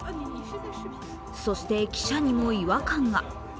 そして記者にも違和感が。